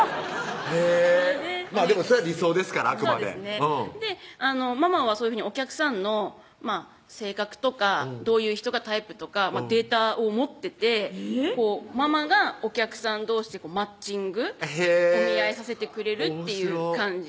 へぇまぁでもそれは理想ですからあくまでママはそういうふうにお客さんの性格とかどういう人がタイプとかデータを持っててママがお客さんどうしでマッチングお見合いさせてくれるっていう感じ